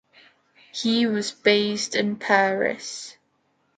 He was based in Paris.